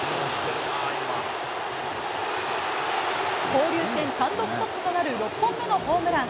交流戦単独トップとなる６本目のホームラン。